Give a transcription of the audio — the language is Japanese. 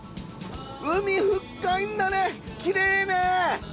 海深いんだねきれいね！